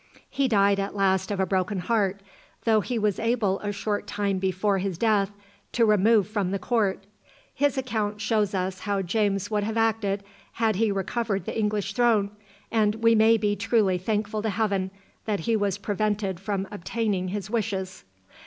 He died at last of a broken heart, though he was able a short time before his death to remove from the court. His account shows us how James would have acted had he recovered the English throne, and we may be truly thankful to heaven that he was prevented from obtaining his wishes."